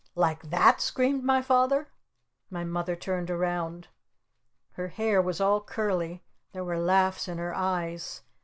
"Like that?" screamed my Father. My Mother turned around. Her hair was all curly. There were laughs in her eyes.